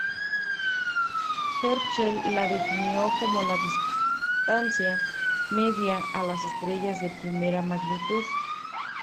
Herschel la definió como la distancia media a las estrellas de primera magnitud.